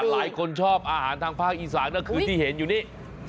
หลายคนชอบอาหารทางภาคอีสานก็คือที่เห็นอยู่นี้